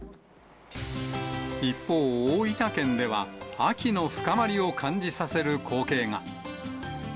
一方、大分県では、秋の深まりを感じさせる光景が。